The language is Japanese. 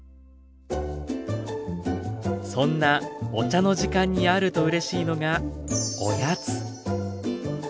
そんなお茶の時間にあるとうれしいのがおやつ。